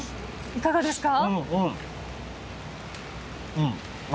いかがですか？